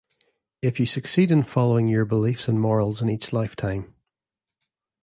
if you succeed in following your beliefs and morals in each lifetime